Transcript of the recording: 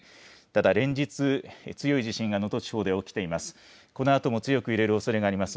ただ連日、強い地震が能登地方で起きています。